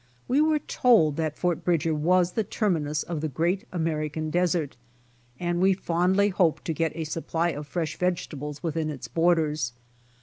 We were told that Fort Bridger was the terminus of the Great American desert, and we fondly hoped to get a supply of fresh vegetables within its borders.